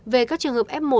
về các trường hợp f một